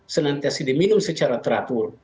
senantiasi diminum secara teratur